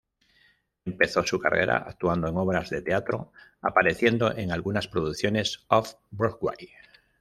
Empezó su carrera actuando en obras de teatro, apareciendo en algunas producciones Off-Broadway.